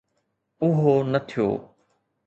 اهو نه ٿيو.